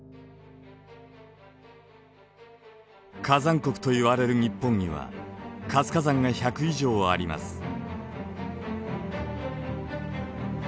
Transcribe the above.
火山国といわれる日本には活火山が１００以上あります。